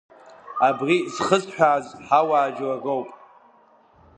Абри зхысҳәааз ҳауаажәлар роуп.